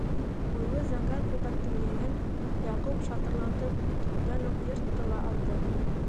Буйлы зәңгәр күлдәктең еңен Яҡуп шатырлатып төптән үк йыртты ла алды.